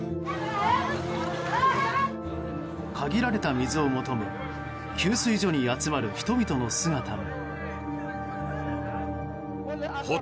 限られた水を求め給水所に集まる人々の姿も。